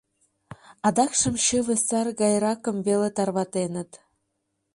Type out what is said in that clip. Адакшым чыве сар гайракым веле тарватеныт.